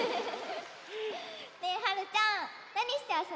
ねえはるちゃんなにしてあそぶ？